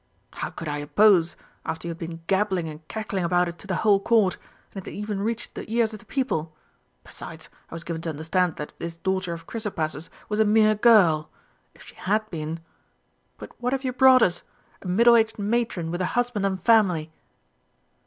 "How could I oppose, after you had been gabbling and cackling about it to the whole Court, and it had even reached the ears of the people? Besides, I was given to understand that this daughter of Chrysopras's was a mere girl. If she had been But what have you brought us? a middle aged matron with a husband and family!"